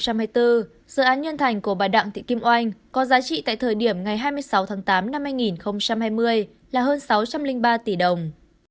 vào tháng tám năm hai nghìn hai mươi dự án nhân thành của bà đặng thị kim oanh có giá trị tại thời điểm ngày hai mươi sáu tháng tám năm hai nghìn hai mươi là hơn sáu trăm linh ba tỷ đồng